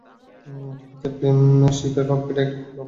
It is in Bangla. এটা হচ্ছে শিপের ককপিটের একটা প্রোটোটাইপ!